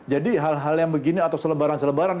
hal hal yang begini atau selebaran selebaran